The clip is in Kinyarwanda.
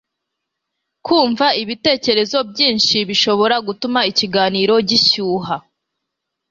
kumva ibitekerezo byinshi bishobora gutuma ikiganiro gishyuha